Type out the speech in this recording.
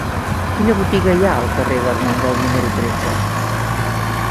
Quina botiga hi ha al carrer d'Armengol número tretze?